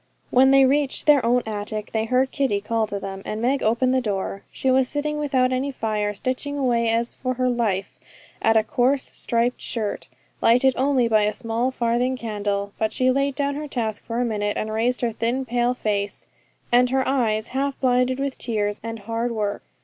When they reached their own attic they heard Kitty call to them, and Meg opened her door. She was sitting without any fire, stitching away as for her life at a coarse striped shirt, lighted only by a small farthing candle; but she laid down her task for a minute, and raised her thin pale face, and her eyes half blinded with tears and hard work.